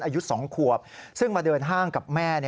อายุ๒ขวบซึ่งมาเดินห้างกับแม่